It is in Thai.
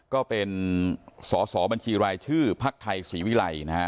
ก็เป็นสอสอบัญชีรายชื่อภักดิ์ไทยศรีวิลัยนะฮะ